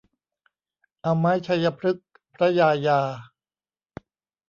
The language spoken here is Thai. เอาไม้ไชยพฤกษ์พระยายา